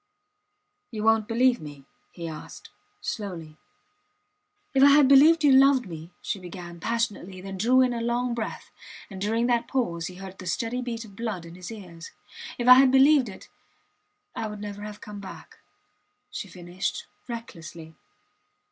You wont believe me? he asked, slowly. If I had believed you loved me, she began, passionately, then drew in a long breath; and during that pause he heard the steady beat of blood in his ears. If I had believed it ... I would never have come back, she finished, recklessly.